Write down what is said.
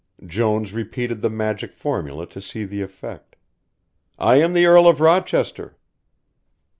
Jones repeated the magic formula to see the effect. "I am the Earl of Rochester."